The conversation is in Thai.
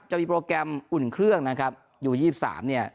จะมีโปรแกรมนะครับยูวิชียี่สามเนี่ย